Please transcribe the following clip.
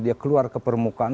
dia keluar ke permukaan